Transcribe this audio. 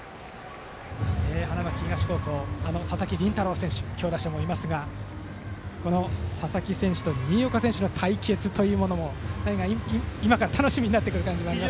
花巻東高校、佐々木麟太郎選手強打者もいますがこの佐々木選手と新岡選手の対決も今から楽しみになってくる感じがします。